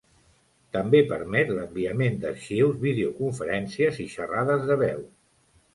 També permet l'enviament d'arxius, videoconferències i xarrades de veu.